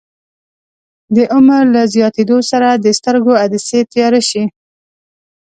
د عمر له زیاتیدو سره د سترګو عدسیې تیاره شي.